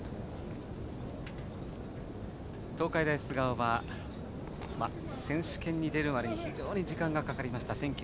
東海大菅生は選手権に出るまでに非常に時間がかかりました。